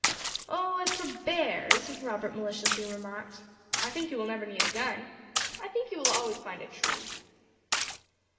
"O, as for bears," Robert maliciously remarked, "I think you will never need a gun. I think you will always find a tree."